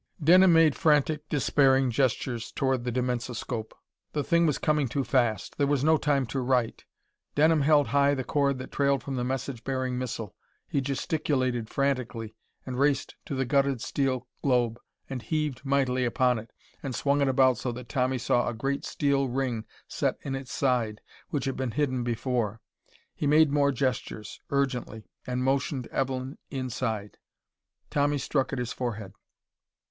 Denham made frantic, despairing gestures toward the dimensoscope. The thing was coming too fast. There was no time to write. Denham held high the cord that trailed from the message bearing missile. He gesticulated frantically, and raced to the gutted steel globe and heaved mightily upon it and swung it about so that Tommy saw a great steel ring set in its side, which had been hidden before. He made more gestures, urgently, and motioned Evelyn inside. Tommy struck at his forehead.